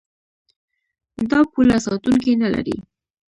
دا پوله ساتونکي نلري.